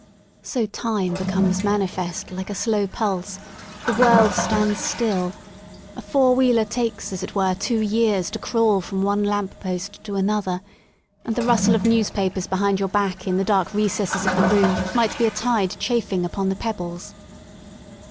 So Time becomes mani 122 LONDON AT LEISURE fest like a slow pulse, the world stands still; a four wheeler takes as it were two years to crawl from one lamp post to another, and the rustle of newspapers behind your back in the dark recesses of the room might be a tide chafing upon the pebbles.